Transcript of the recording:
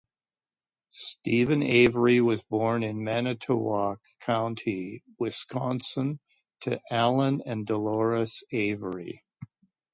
Steven Avery was born in Manitowoc County, Wisconsin, to Allan and Dolores Avery.